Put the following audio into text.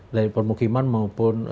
dari permukiman maupun